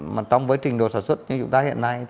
mà trong với trình độ sản xuất như chúng ta hiện nay